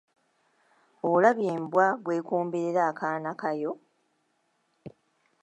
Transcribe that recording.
Olabye embwa bw'ekomberera akaana kayo?